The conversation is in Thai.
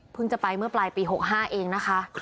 จะไปเมื่อปลายปี๖๕เองนะคะ